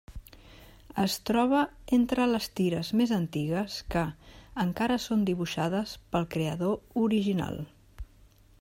Es troba entre les tires més antigues que encara són dibuixades pel creador original.